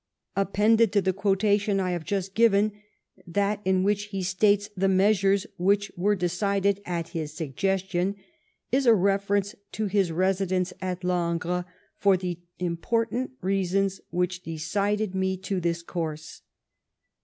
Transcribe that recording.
Appended to the quotation I have just given — that in which he states the measures which were decided *' at his suggestion "— is a reference to his residence at Langres for " the important reasons which decided me to this course."